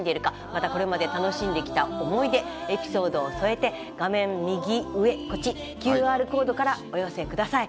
また、これまで楽しんできた思い出エピソードを添えて画面右上ＱＲコードからお寄せください。